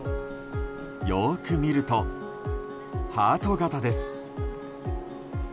よく見ると、ハート形です。